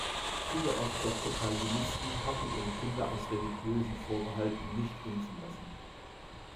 Viele orthodoxe Calvinisten hatten ihre Kinder aus religiösen Vorbehalten nicht impfen lassen.